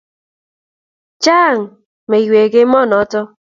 chang mweik emonoto